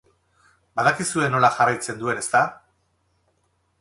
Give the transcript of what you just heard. Badakizue nola jarraitzen duen, ezta?